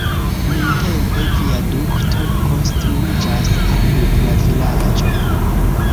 Nuntempe viadukto konstruiĝas apud la vilaĝo.